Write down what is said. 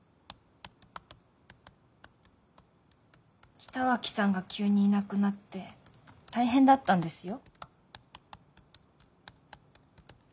北脇さんが急にいなくなって大変だったんですよ。